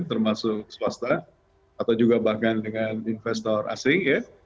termasuk swasta atau juga bahkan dengan investor asing ya